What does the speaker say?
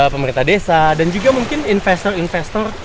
pemerintah desa dan juga mungkin investor investor